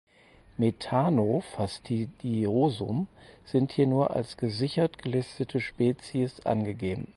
Methanofastidiosum sind hier nur als gesichert gelistete Spezies angegeben.